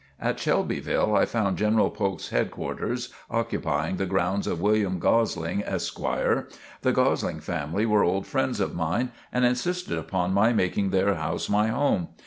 At Shelbyville, I found General Polk's headquarters occupying the grounds of William Gosling, Esquire. The Gosling family were old friends of mine and insisted upon my making their house my home.